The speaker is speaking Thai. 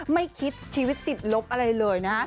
ไม่คิดชีวิตติดลบอะไรเลยนะฮะ